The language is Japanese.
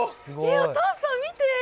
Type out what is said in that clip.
お父さん、見て。